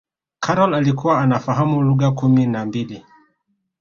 karol alikuwa anafahamu lugha kumi na mbili